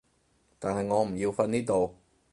但係我唔要瞓呢度